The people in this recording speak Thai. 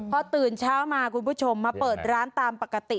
พอตื่นเช้ามาคุณผู้ชมมาเปิดร้านตามปกติ